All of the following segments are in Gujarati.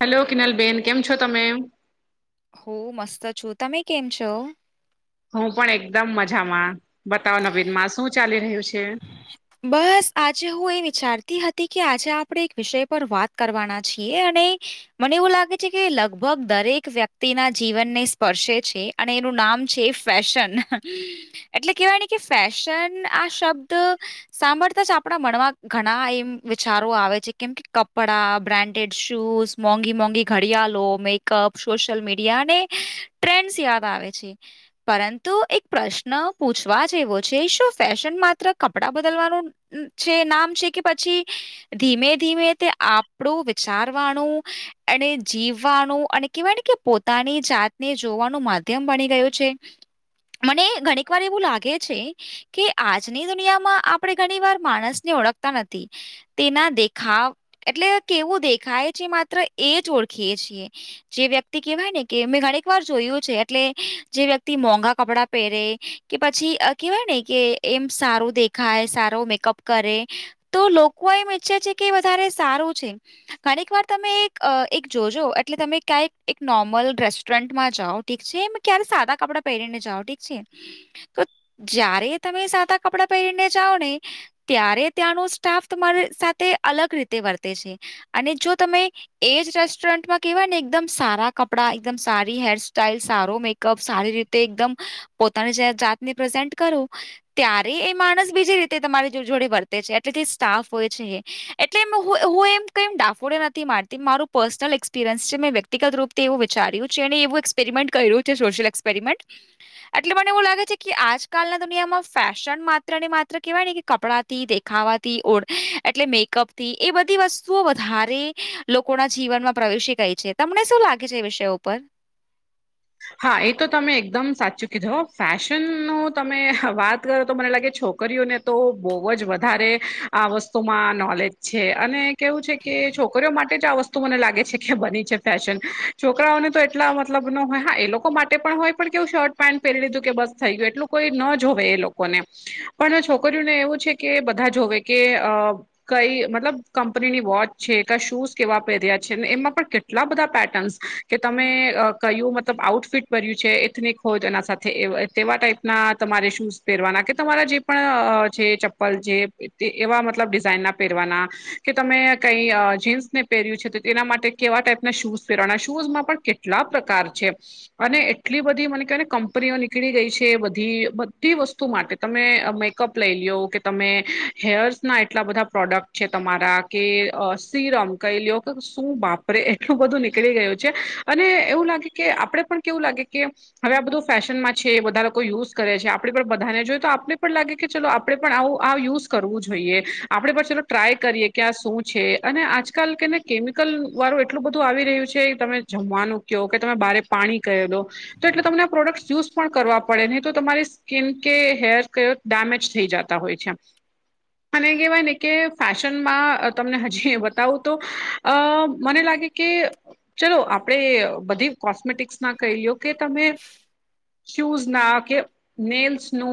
હેલો કિનલ બેેન કેમ છો તમે હું મસ્ત છું તમે કેમ છો હું પણ એકદમ મજામાં બતાવ નવીન માં શું ચાલી રહ્યું છે [unintelligible] બસ આજે હું એ વિચારતી હતી કે આજે આપણે એક વિષય પર વાત કરવાના છીએ અને મને એવું લાગે છે, કે લગભગ દરેક વ્યક્તિના જીવનને સ્પર્શે છે. અને એનું નામ છે, ફેશન એટલે કેવાય ને કે ફેશન આ શબ ત સાંભળતા જ આપણા મણમાં ઘણા એમ વિચારો આવે છે, કેમ કે કપડાં બ્રાન્ડેડ શૂઝ મોંઘી મોંઘી ઘડિયાળો મેકઅપ સોશિયલ મીડિયા અને ટ્રેન્ડસ યાદ આવે છે. પરંતુ એક પ્રશ્ન પૂછવા જેવો છે, શું ફેશન માત્ર કપડા બદલવાનું છે, નામ છે, કે પછી ધીમે ધીમે તે આપણુ વીચારવાણુ અને જીવવાનુ અને કહેવાય ને કે પોતાની જાતને જોવાનું માધ્યમ બની ગયું છે. મને ઘણીક વાર એવું લાગે છે, કે આજ ની દુનિયામાં આપણે ઘણી વાર માણસને ઓળખતા નથી તેના દેખાવ એટલે કેવું દેખાય છે, માત્ર એ જ ઓળખીએ છીએ જે વ્યક્તિ કેવાય ને કે મેં ઘણીક વાર જોયું છે, અટલે જે વ્યક્તિ મોંઘા કપડા પરે કે પછી કેવાય ને કે એમ સારું દેખાય સારો મેકઅપ કરે તો લોકો એમ ઈચ્છે છે, કે વધારે સારું છે. ઘણીક વાર તમે એક એક જોજો એટલે તમે ક્યાંક એક નોર્મલ રેસ્ટોરન્ટમાં જાઓ ઠીક છે, ક્યારે સાદા કપડાં પહેરીને જાવ ઠીક છે, તો જય્યારે તમે સાદા કપડા પહેરીને જાઓ ને ત્યારે ત્યાંનો સ્ટાફ તમારી સાથે અલગ રીતે વર્તે છે, અને જો તમે એજ રેસ્ટોરન્ટમાં કેવાય ને એકદમ સારા કપડાં એકદમ સારી હેર સસ્ટાઈલ સારો મે કપ સારી રીતે એકમ પોતાની જાતને પ્રેઝ કરું તયા રે એ માણસ બીજી રીતે તમારી જો જોડે વર્તે છે, એટલે સ્ટાફ હોય છે. એટલે હું એમ [unintelligible] નથી મારતી મારું પર્સનલ એક્સપિરિયન્સ છે, મેં વ્યક્તિગત રૂપ તેવું વિચાર્યું છે, એન એવું એક્સપેરિમેન્ટ કર્યું છે, સોશિયલ એક્પેરમેન્ટ એટલે મને એવું લાગે છે, કે આજકાલ ના દુનિયામાં ફે શન માત્ર ને માત્ર કહેવાય ને કે કપડાથી દેખાવાથી ઓળ એટલે મેકઅપ તી એ બધી વસ્તુઓ વધારે લોકોના જીવનમાં પ્રવેશી ગઈ છે, તમને શું લાગે છે, એ વિષયો ઉપર? હા એ તો તમે એકદમ સાચું કીધું હ ફેશન ન તમે વાત કરો તો મને લાગે છોકરીઓને તો બોવ જ વધારે આ વસ્તુમાં નોલેજ છે, અને કેવું છે, કે છોકરીઓ માટે જ આ વસ મને લાગે છે, કે બની છે, ફેશન છોકરાઓને તો એટલા મતલબ ન હોય હા એ લોકો માટે પણ હોય પણ કેવું શર્ટ પેન્ટ પહેરી લીધું કે બસ થઈ ગયું એટલું કોઈ ન જોવે એ લોકોને પણ છોકરીઓને એવું છે, કે બધા જોવે કે અ કઈ મતલબ કંપનીની વોચ છે, ક શૂઝ કેવા પહેર્યા છે, ને એમાં પણ કેટલા બધા પેટર્ન્સ કે તમે અ કહ્યું મ આઉટફિટ ભર્યું છે, એથનિક હોય તો એના સાથે તેવા ટાઈપના તમારે શૂઝ પહેરવાના કે તમારા જે પણ જે ચપ્પલ જે એવા મતલબ ડિઝાઇન ના પહેરવાના કે તમે કઈ જીન્સ ને પહેર્યું છે, તો તેના માટે કેવા ટાઈપના શૂઝ પહેરવાના શૂઝમાં પણ કેટલા પ્રકાર છે. અને એટલી બધી મને કહેવાયને કંપનીઓ નીકળી ગઈ છે, બધી બધી વસ્તુ માટે તમે મેકઅપ લઈ લીઓ કે તમે હેર્સના એટલા બધા પ્રોડક્ટ છે, તમારા કે અ સીરમ કહી લ્યો કે શું બાપરે એટલું બધું નીકળી ગયું છે, અને એવું લાગે કે આપડે પણ કેવું લાગે કે હવે આ બધું ફેશન માં છે, બધા લોકો યુઝ કરે છે, આપણે પણ બધાને જોય તો આપને પણ લાગે કે ચાલ આપણે પણ આવું આવ યુઝ કરવું જોઈએ આપણેે પણ ચાલ ટ્રાય કરીએ કે આ શું છે અને આજ આજકાલ કેને કેમિકલ વાળું એટલું બધું આવી રહ્યું છે તમે જમવાનું કોહ તમે બારે પાણી [unintelligible] તો એટલે તમને આ પ્રોડક્ટ યુઝ પણ કરવા પડે નહી તો તમારી સ્કીન કે હેર કયો ડેમેજ થઈ જાતા હોય છે. અને કહેવાય ને કે ફેશનમાં તમને હજી બતાવું તો અ મને લાગે કે ચલો આપણે બધી કોસ્મેટિક્સ ના કહી લો કે તમે શૂઝ ના કે નેલ્સ નુ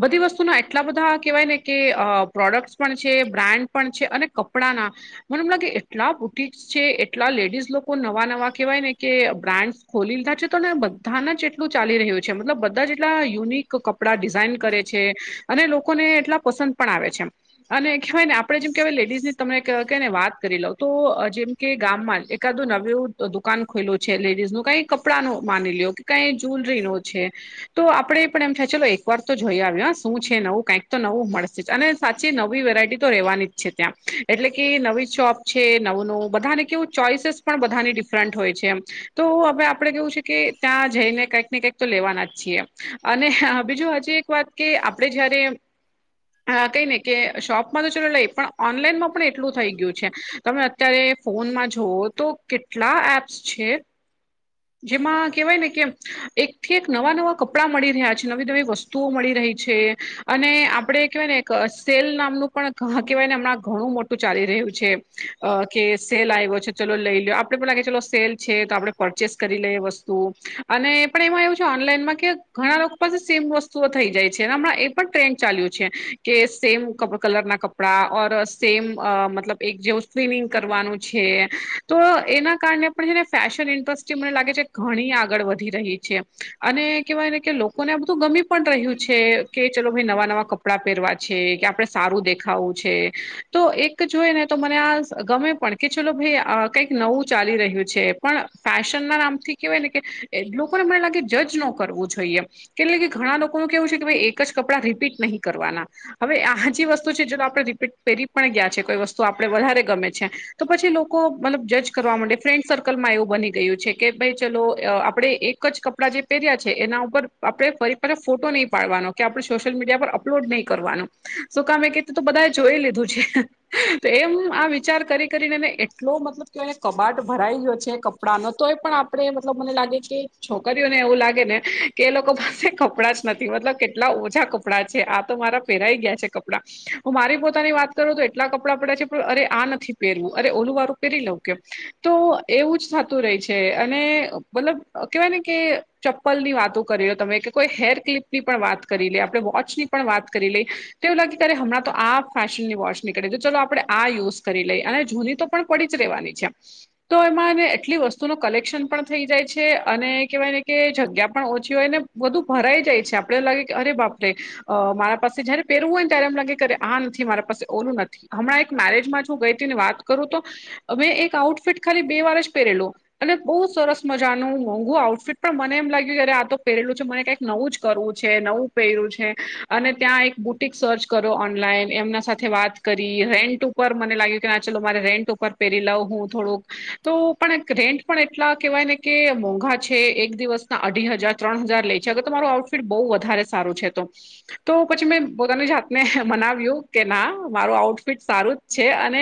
બધી વસ્તુના એટલા બધા કહેવાય ને કે અ પ્રોડક્ટસ પણ છે બ્રાન્ડ પણ છે અને કપડાંના મને એમ લાગે એટલા બુટિકસ છે એટલા લેડીઝ લોકો નવા નવા કેવાય ને કે બ્રાન્ડ ખોલી લીધા છે તો ને બધાને જ એટલું ચાલી રહ્યું છે મતલબ બધા જેટલા યુનિક કપડાં ડિઝઇન કરે છે. અને લોકોને એટલા પસંદ પણ આવે છે એમ અને કહેવાય ને આપણે જેમ કેહેવાય લેડીઝ તમને કે ને વાત કરી લોઉ તો જેમ કે ગામમાં એકાદું નવવું દુકાન ખોલું છે લેડીઝ નું કઈ કપડાં નો માની લીયો કે કઈ જ્વેલરીનો છે. તો આપડે પણ એમ થાય ચલો એક વાર તો જોઈ આવીએ શું છે નવું કઈક તો નવું મળશે જ અને સાચી નવી વેરાયટી તો રહેવાની જ છે ત્યાં એટલે કે નવી શોપ છે નવું નવું બધાને કેવું ચોઈસ પણ બધાની ડિફરન્ટ હોય છે એમ તો હવે આપણે કેવું છે કે ત્યાં જઈને કંઈક ને કંઈક તો લેવાના જ છીએ અને હ બીજું હજી એક વાત કે આપડે જયારે કઈ ને કે શોપમાં તો ચાલો લઈ પણ ઓનલાઈનમાં પણ એટલું થઈ ગયું છે તમે અત્યારે ફોનમાં જોવો તો કેટલા એપ્સ છે. જેમાં કેહેવાય ને કે એક થી એક નવા નવા કપડાં મળી રહ્યા છે નવી નવી વસ્તુ વસ્તુઓ મળી રહી છે અને આપણે કેહેવાય નેએ સેલ નામનું પણ કહેવાયને હમણાં ઘણું મોટું તો ચાલી રહ્યું છે અ કે સેલ આયવો છે ચલો લઈ લ્યો આપડે પેલા ચલો સેલ છે તો આપડે પરચેસ કરી લયે વસ્તુ અને એપણ એમા એવું છે ઓનલાઈનમાં કે ઘણા લોકો પાસે સેમ વસ્તુ શું થઈ જાય છે હમણાં એ પણ ટ્રેન્ડ ચાલ્યો છે કે સેમ કપ કલર ના કપડા કપડા ઓર સેમ અ મતલબ એક જેવું સ્વિમિંગ કરવાનું છે. તો એના કારણે પણ છે ને ફેશન એજ વસ્તુ જે મને લાગે છે કે ઘણી આગળ વધી રહી છે અને કેવાય ને કે લોકોને આ બધું ગમી પણ રહ્યું છે કે ચલો ભાઈ નવા નવા કપડાં પહેરવા છે કે આપણે સારું દેખાવું છે તો એક જોઈ ને તો મને આ ગમે પણ કે ચોલો ભાઈ કઈક નવું ચાલી રહ્યું છે પણ ફેશનના નામથી કેહેવાય ને કે એટલું પણ મને લાગે જજ ન કરવું જોઈએ કેટલે કે ઘણા લોકોનું કેવું છે કે ભાઈ એક જ કપડાં રીપીટ નહીં કરવાના હવે આજી વસ્તુ છે જો આપણે રીપીટ પહેરી પણ ગયા છે કોઈ વસ્તુ આપણે વધારે ગમે છે તો પછી લોકો લોકો મતલબ જજ કરવા મડે ફ્રેન્ડ સર્કલમાં એવું બને ગયું છે કે ભાઈ ચલો અ આપણે એક જ કપડાં જે પહેર્યા છે એના ઉપર આપણે ફરી પણ ફોટો નહી પાડવાનો કે આપડણે સોશિયલ મીડિયા પર અપલોડ નહીં કરવાનું શું કામ કે તો બધાએ જોઈ લીધું છે તો એમ આ વિચાર કરી કરીનેને એટલો બધો એને કબાટ ભરાઈ ગયો છે કપડાંનો તો એ આપ આપણે મતલબ મને લાગે કે છોકરીઓને એવું લાગે ને કે એ લોકો પાસે કપડાં જ નથી મતલબ કે એટલા ઓછા કપડાં છે આ તો મારા પહેરાઈ ગયા છે કપડાં હું મારી પોતાની વાત કરું તો એટલા કપડાં પડ્યા છે પણ અરે આ નથી. પહેરવું અરે ઓલું વારું પહેરી લઉં કેમ તો એવું જ થાતું તુ રેય છે અને મતલબ કેવાય ને કે ચંપ્પલ ની વાતો કરી લો તમે કે કોઈ હેર ક્લિપ ની પણ વાત કરી લઈ આપણે વોચ ની પણ વાત કરી લઈ તેવું લાગે ત્યારે હમણાં તો આ ફેશનની વોચ નીકળી તો ચાલો આપણે આ યુઝ કરી લઈએ અને જુની તો પણ પડી જ રહેવાની છે તો એમાં ને એટલી વસ્તુનું કલેક્શન પણ થઈ જાય છે અને કહેવાય ને કે જગ્યા પણ ઓછી હોય ને બધું ભરાઈ જાય છે આપડે લાગે કે અરે બાપરેે. અ મારા પાસે જયારે પહેરવું હોય ને ત્યારે એમ લાગે આ નથી મારા પાસે ઓલું નથી. હમણાં એક મેરેજમાં જ હું ગઈ તી ને વાત કરું તો મેં એક આઉટફિટ ખાલી બે વાર જ પહેરેલો. અને બહુ સરસ મજા નું મોંઘું આઉટફિટ પણ મને એમ લાગ્યું કે જ્યારે આ તો પહેરેલું છે મને કઈ નવું જ કરવું છે નવું પહેર્યું છે અને ત્યાં એક બુટિક સર્ચ કરો ઓનલાઈન એમના સાથે વાત કરી રેન્ટ ઉપર મને લાગે કે ચાલ મારે રેન્ટ ઉપર પહેરી લવ હું થોડુંક તો પણ રેન્ટ પણ એટલા કહેવાય ને કે મોંઘા છે એક દિવસના અઢી હજાર ત્રણ હજાર લે છે અગર તમારું આઉટ ફિટ બહુ વધારે સારું છે તો. તો પછી મેં પોતાની જાતને મનાવ્યું કે ના મારું આઉટફિટ સારું છે અને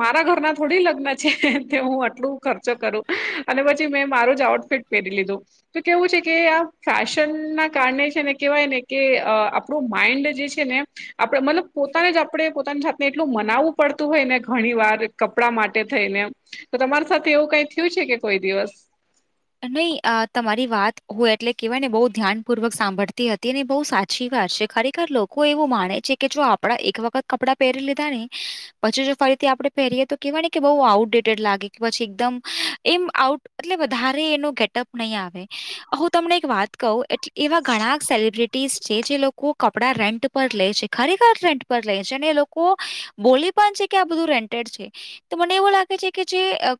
મારા ઘરના થોડી લગ્ન છે તે હું આટલું ખર્ચો કરું અને પછી મેં મારું જ આઉટફિટ પહેરી લીધું. તો કેવું છે કે આ ફેશન ના કારણે છે ને કેહેવાય ને કે અ આપ આપણુ માઈન્ડ જે છે ને આપણેે મતલબ પોતાને જ આપણે પોતાની જાત ને એટલું મનાવવું પડતું હોય ને ઘણી વાર કપડા માટે થઈને તો તમારે સાથે એવું કઈ થ્યું છે કે કોઈ દિવસ. [inaudible] નહી અ તમારી વાત હોય એટલે કેહેવાય ને બહુ ધ્યાનપૂર્વક સાંભળતી હતી ને બહુ સાચ ચી વાત છે ખરેખર લોકો એવું માને છે કે જો આપડા એક વખત કપડાં પહેરી લીધા ને પછી જો ફરીથી આપડે પહેરીએ તો કેવાય ને કે બહુ આઉટડેટેડ લાગે કે પછી એકદમ એમ આઉટ એટલે વધારે એનો ગેટઅપ નહીં આવે હું તમને એક વાત કહું એટલે એવા ઘણા સેલિબ્રિટી ટીસ જે લોકો કપડા રેન્ટ પર લે છે ખરેખર રેન્ટ પર લે છે અને એ લોકો બોલે પણ છે કે આ બધું રેન્ટેડ છે. તો મને એવું લાગે છે કે જે અ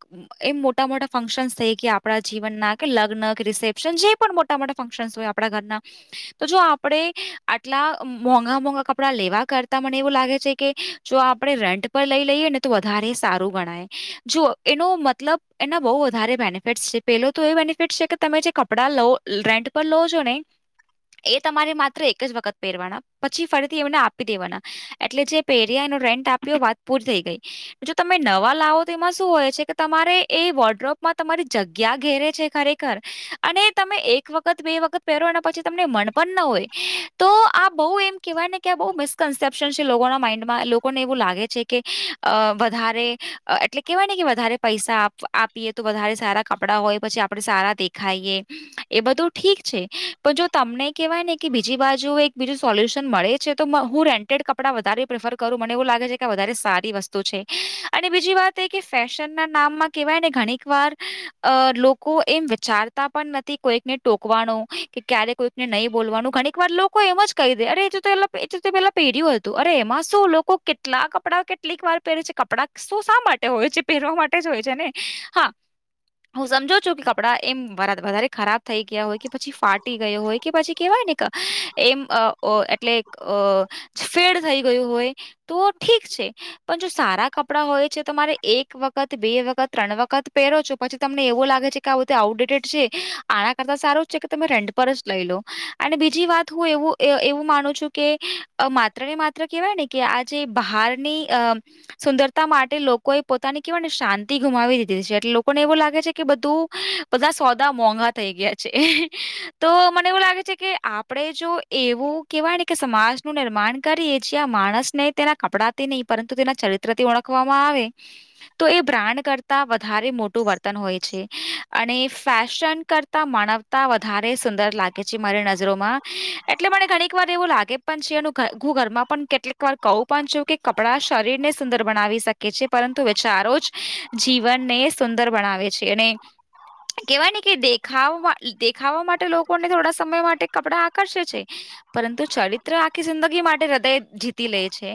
એમ મોટા-મોટા ફંક્શન કે આપણા જીવનના કે લગ્ન કે રિસેપ્શન જે પણ મોટા-મોટા ફંક્શનસ હોય આપણા ઘરના. તો જો આપડે આટલા મોંઘા-મોંઘા કપડાં લેવા કરતા મને એવું લાગે છે કે જો આપણે રેન્ટ પર લઈ લઈએ ને તો વધારે સારું ગણાય જો એનો મતલબ એના બહુ વધારે બેનિફિટ છે પેલો તો એ બેનિફિટ છે કે તમે જે કપડા લો રેન્ટ પર લો છો ને એ તમારે માત્ર એક જ વખત પહેરવાના પછી ફરીથી એમને આપી દેવાના. એટલે જે પેરિયા એનો રેન્ટ આપ્યો વાત પૂરી થઈ ગઈ. જો તમે નવા લાવો તો એમાં શું હોય છે કે તમારે એ વોડ્રોપ માં તમારી જગ્યા ઘેરે છે ખરેખર અને તમે એક વખત બે વખત પહેરો ના પછી તમને મન પણ નો હોય તો આ બહું એમ કેવાય ને કે બ કન્સઅપ્શન છે લોકોના માઈન્ડમાં લોકોને એવું લાગે છે કે અ વધારે એટલે કહેવાય ને કે વધારે પૈસા આપ આપીએ તો વધારે સારા કપડાં હોય પછી આપણે સારા દેખાઈએ. એ બધું ઠીક છે પણ જો તમને કેહેવાય ને કે બીજી બાજુ એક બીજું સોલ્યુશન મળે છે. તો હું રેન્ટેડ કપડાં વધારે પ્રેફર કરું મને એવું લાગે છે કે વધારે સારી વસ્તુ છે. અને બીજી વાત એ કે ફેશનના નામમાં કેહેવાય ને ઘણીક વાર અ લોકો એમ વિચાર તા પણ નથી કોઈકને ટોકવાનું કે ક્યારે કોઈકને નહી બોલવાનું ઘણીક વાર લોકો એમ જ કહી દે અરે જો એ એતો તે પેલા પહેર્યું હતું અરે એમાં શું લોકો કેટલા કપડા કેટલીક વાર પહેરે છે કપડા તો શા માટે હોય છે પહેરવા માટે જ હોય છે ને હા હું સમજુ છું કે કપડા એમ વધારે ખરાબ થઈ ગયા હોય કે પછી ફાટી ગયો હોય કે પછી કેહેવાય ને કે એમ એટલે ફેડ થઈ ગયું હોય તો ઠીક છે પણ જો સારા કપડાં હોય છે તમારે એક વખત બે વખત ત્રણ વખત પહેરો છો પછી તમને એવો લાગે છે કે આ બધી આઉટડેટેડ છે આના કરતા સારું જ છે કે તમે રેન્ટ પર જ લઈ લો અને બીજી વાત હું એવું એવું માનું છું કે માત્ર ને માત્ર કેહેવાય ને કે આજે બહારની સુંદરતા માટે લોકોએ પોતાની કેહેવાય ને શાંતિ ગુમાવી દીધી છે લોકોને એવું લાગે છે કે બધું બધા સોદા મોઘા થઈ ગયા છે તો મને એવું લાગે છે કે આપણે જો એવું કેહેવાય ને કે સમાજનું નિર્માણ કરીએ છીએ આ માણસ ને તેના કપડાથી નહી પરંતુ તેના ચરિત્રથી ઓળખવામાં આવે તો એ બ્રાન્ડ કરતા વધારે મોટું વર્તન હોય છે અને ફેશન કરતા માનવતા વધારે સુંદર લાગે છે મારી નજરોમાં એટલે મને ઘણીક વાર એવું લાગે પણ છે એ હું ઘરમાં પણ કેટલીક વાર કવું પણ છું કે કપડા શરીર ને સુંદર બનાવી શકે છે પરંતુ વિચારો જ જી વનને સુંદર બનાવે છે અને કેવાય ને કે દેખાવ દેખાવા માટે લોકોને થોડા સમય માટે કપડા આકર્ષે છે પરંતુ ચરિત્ર આખી જિંદગી માટે હૃદય જીતી લે છે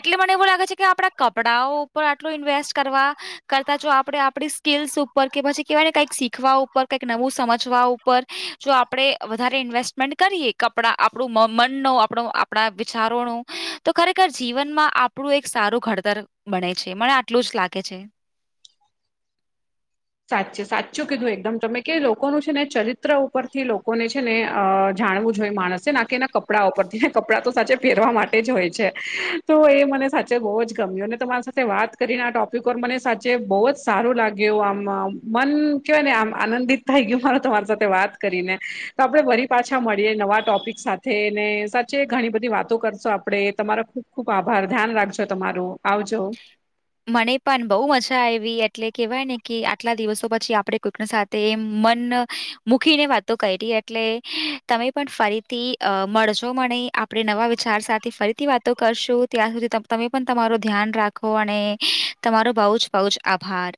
એટલે મને એવું લાગે છે કે આપડા કપડાઓ ઉપર આટલું ઇન્વેસ્ટ કરવા કર જો આપણે આપણી સ્કીલ્સ ઉપર કે પછી કેવાયને કંઈક શીખવા ઉપર કઈક નવું સમજવા ઉપર પર જો આપડે વધારે ઇન્વેસ્ટમેન્ટ કરીએ કપડા આપણું મન ન આપણો આપણા વિચારોનું તો ખરેખર જીવનમાં આપણું એક સારું ઘડતર બને છે મને આટલું જ લાગે છે સાચે સાચું કીધું એકદમ તમે કે લોકોનું છે. ને ચરિત્ર ઉપરથી લોકોને છે ને અ જાણવું જોઈએ માણસે ના કે એના કપડા ઉપરથીને કપડાં તો સાચે પહેરવા માટે જ હોય છે. તો એ મને સાચે બહુ જ ગમ્યું ને તમારી સાથે વાત કરીને આ ટોપિક ઉપર મને સાચે બહુ જ સારો લાગ્યો આમ મન કેવાય ને આમ આનંદિત થય ગયું માર તમારી સાથે વાત કરીને તો આપણે વરી પાછા મળીએ નવા ટોપિક સાથે ને સાચે ઘણી બધી વાતો કરશો આપણે તમારા સાથે ખુબ આભાર ધ્યાન રાખજો તમારું આવજો. મને પણ બહુ મજા આવી એટલે કેહેવાય ને કે, આટલા દિવસો પછી આપડે કોઈકને સાથે તે મન મૂકીને વાતો કરી એટલે તમે પણ ફરીથી, અ મળજો મને આપણે નવા વિચાર સાથે ફરીથી વાતો કરશું ત્યાં સુધી તમે પણ તમારું ધ્યાન રાખો, અને તમારો બઉ જ બઉ જ આભાર.